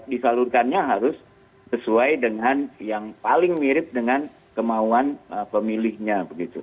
disalurkannya harus sesuai dengan yang paling mirip dengan kemauan pemilihnya begitu